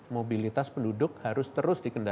mobilitas penduduk harus terus dikendalikan